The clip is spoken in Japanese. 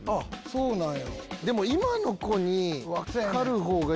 そうなんや。